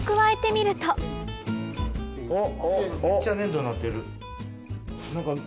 えっ！